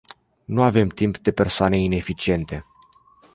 Nu avem timp de persoane ineficiente.